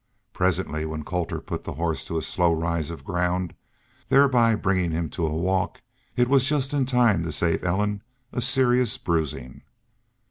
Presently when Colter put the horse to a slow rise of ground, thereby bringing him to a walk, it was just in time to save Ellen a serious bruising.